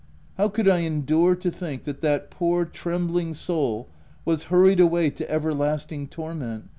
How could I endure to think that that poor trembling soul was hurried away to everlasting torment